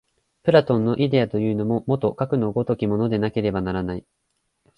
プラトンのイデヤというのも、もとかくの如きものでなければならない。